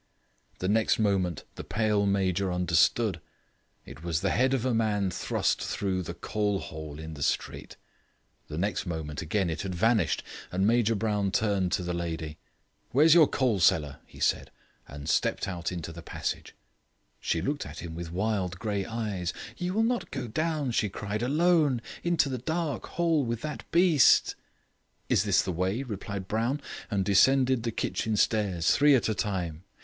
The next moment the pale Major understood. It was the head of a man thrust through the coal hole in the street. The next moment, again, it had vanished, and Major Brown turned to the lady. "Where's your coal cellar?" he said, and stepped out into the passage. She looked at him with wild grey eyes. "You will not go down," she cried, "alone, into the dark hole, with that beast?" "Is this the way?" replied Brown, and descended the kitchen stairs three at a time.